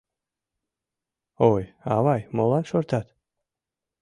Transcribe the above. Ой, авай, молан шортат?